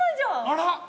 あら！